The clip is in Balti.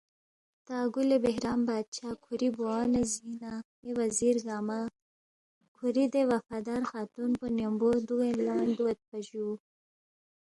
تا گُلِ بہرام بادشاہ کُھوری بوا نہ زِی نہ اے وزیر گنگمہ کُھوری دے وفادار خاتون پو نہ ن٘یمبو دُوگین لن٘ین دُوگیدپا جُو